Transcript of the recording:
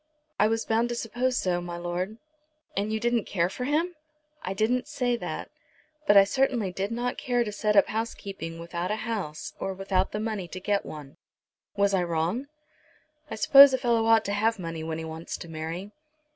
"I was bound to suppose so, my lord." "And you didn't care for him!" "I didn't say that. But I certainly did not care to set up housekeeping without a house or without the money to get one. Was I wrong?" "I suppose a fellow ought to have money when he wants to marry.